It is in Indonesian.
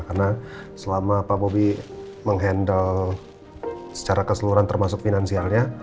karena selama pak bobi menghandle secara keseluruhan termasuk finansialnya